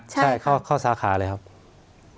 ใช่เข้าสาขาเลยครับ